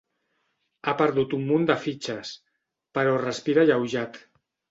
Ha perdut un munt de fitxes, però respira alleujat.